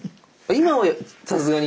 今はさすがに。